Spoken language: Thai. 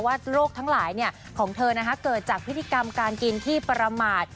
ว่าโรคทั้งหลายของเธอเกิดจากพฤติกรรมการกินที่ประมาท